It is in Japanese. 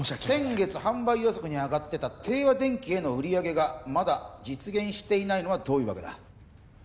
先月販売予測にあがってた帝和電機への売り上げがまだ実現していないのはどういうわけだ？